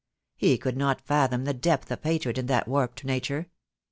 He could not fathom the depth of hatred in that warped nature.